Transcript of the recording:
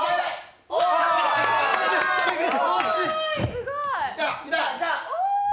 すごい！